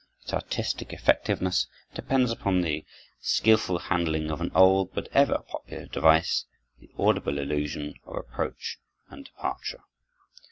Its artistic effectiveness depends upon the skilful handling of an old but ever popular device, the audible illusion of approach and departure.